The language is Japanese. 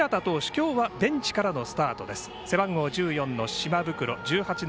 今日はベンチからスタートです。